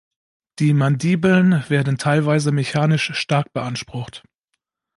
Die Mandibeln werden teilweise mechanisch stark beansprucht.